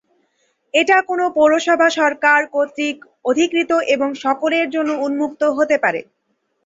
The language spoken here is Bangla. এটা কোনো পৌরসভা সরকার কর্তৃক অধিকৃত এবং সকলের জন্য উন্মুক্ত হতে পারে।